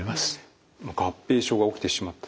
合併症が起きてしまった。